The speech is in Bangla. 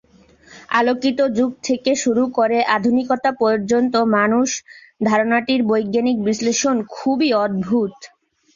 আলোকিত যুগ থেকে শুরু করে আধুনিকতা পর্যন্ত "মানুষ" ধারণাটির বৈজ্ঞানিক বিশ্লেষণ খুবই অদ্ভুত।